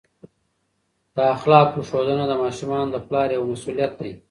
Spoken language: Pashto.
د اخلاقو ښودنه د ماشومانو د پلار یوه مسؤلیت دی.